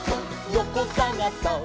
よこさがそっ！」